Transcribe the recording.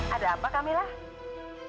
ada apa kamilah